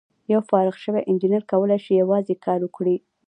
یو فارغ شوی انجینر کولای شي یوازې کار وکړي.